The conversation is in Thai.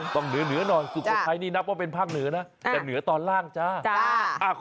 ต้องเหนือเหนือนอนสุโขทัยนี้นับว่าเป็นภาครเหนือนะ